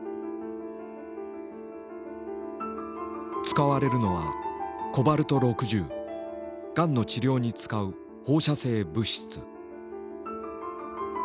使われるのはがんの治療に使う放射性物質。